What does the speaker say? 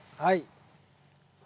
はい。